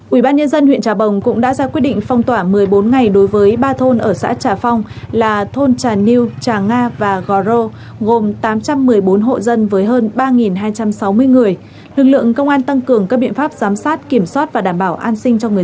ubnd huyện trà bồng cũng đã ra quyết định phong tỏa một mươi bốn ngày đối với ba thôn ở xã trà phong là thôn trà niêu trà nga và gò rô gồm tám trăm một mươi bốn hộ dân với hơn ba hai trăm sáu mươi người